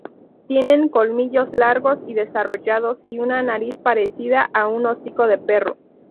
Tienen colmillos largos y desarrollados y una nariz parecida a un hocico de perro.